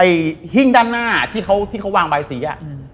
ไอ้หิ้งด้านหน้าที่เขาวางบายสีอะ